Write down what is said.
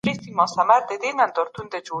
د شیطان خبره نه اورېدل کېږي.